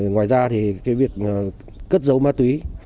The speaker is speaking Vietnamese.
ngoài ra thì cái việc cất dấu ma túy